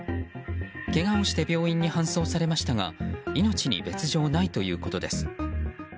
けがをして病院に搬送されましたが命に別条ないということです。